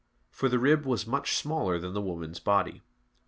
For the rib was much smaller than the woman's body.